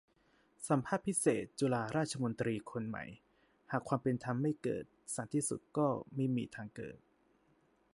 สัมภาษณ์พิเศษ จุฬาราชมนตรีคนใหม่ : หากความเป็นธรรมไม่เกิด สันติสุขก็ไม่มีทางเกิด